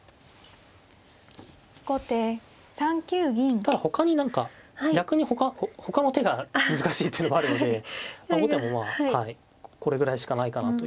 ただ他に何か逆に他の手が難しいっていうのもあるので後手もまあこれぐらいしかないかなという。